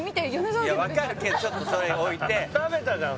いや分かるけどちょっとそれ置いて食べたじゃん